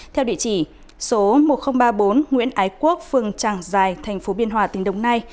theo địa chỉ số một nghìn ba mươi bốn nguyễn ái quốc phường tràng giài thành phố biên hòa tỉnh đồng nai